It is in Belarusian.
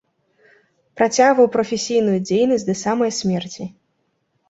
Працягваў прафесійную дзейнасць да самай смерці.